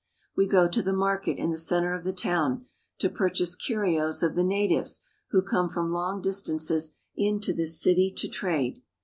We go to the market, in the center of the town, to purchase curios of the natives who come from long distances into this city to trade.